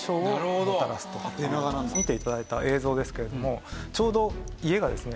見て頂いた映像ですけれどもちょうど家がですね